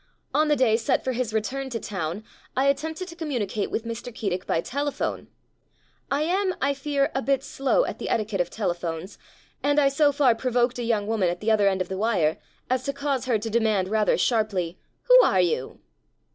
On the day set for his return to town I attempted to communicate with Mr. Keedick by telephone. I am (I fear) a bit slow at the etiquette of telephones, and I so far provoked a young woman at the other end of the wire as to cause her to demand rather sharply, "Who are you?"